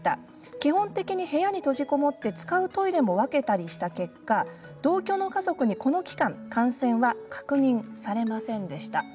基本的に部屋に閉じこもって使うトイレも分けたりした結果同居の家族にこの期間、感染は確認されませんでした。